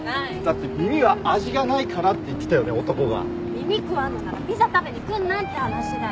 耳食わんのならピザ食べに来んなって話だよ。